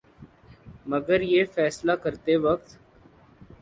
مگر یہ فیصلہ کرتے وقت